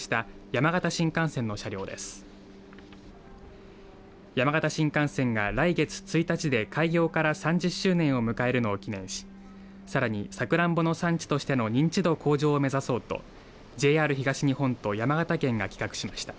山形新幹線が来月１日で開業から３０周年を迎えるのを記念しさらに、さくらんぼの産地としての認知度向上を目指すそうとＪＲ東日本と山形県が企画しました。